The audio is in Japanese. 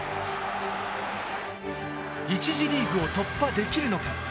１次リーグを突破できるのか？